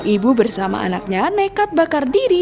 ibu bersama anaknya nekat bakar diri